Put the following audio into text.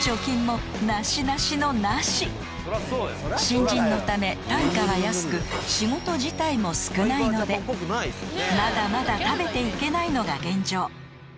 ［新人のため単価が安く仕事自体も少ないのでまだまだ食べていけないのが現状］